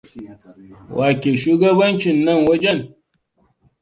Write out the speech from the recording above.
Wa ke shugabancin nan wajen?